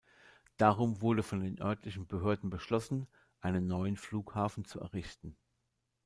Darum wurde von den örtlichen Behörden beschlossen, einen neuen Flughafen zu errichten.